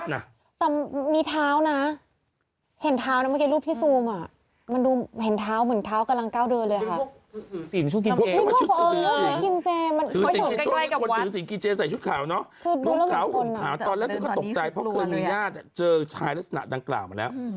นวงเก๋าอุ่นฐาน